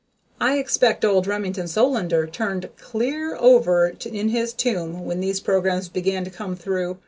I expect old Remington Solander turned clear over in his tomb when those programs began to come through.